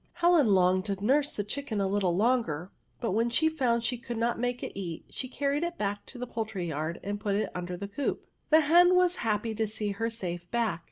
Helen longed to nurse the chicken a little VERBS. 49 ioBger, but when she found she could not make it eat, she carried it back to the poultry yard and put it under the coop. The Ii^n was happy to see her safe back